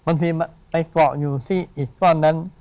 มันมันไปกรอกอยู่สิอีกก้อนนั้น